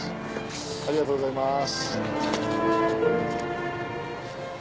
ありがとうございます。